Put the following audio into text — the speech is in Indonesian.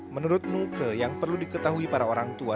menurut nuke yang perlu diketahui para orang tua